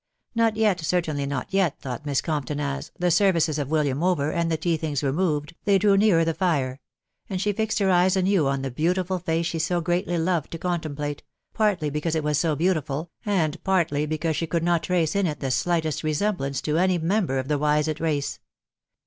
.... Not yet, certainly not yet, thought Miss Compton as, the services of William over, and the tea things removed, they drew nearer the fire ; and she fixed her eyes anew on the beautiful face she so greatly loved to contemplate, partly because it was so beautiful, and partly because she could not trace in it the slightest resemblance to any member of the Wisett race.